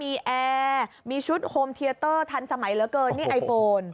มีแอร์มีชุดโฮมเทียเตอร์ทันสมัยเหลือเกินนี่ไอโฟน